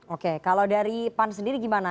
oke kalau dari pan sendiri gimana